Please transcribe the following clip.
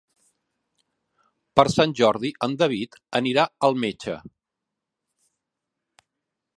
Per Sant Jordi en David anirà al metge.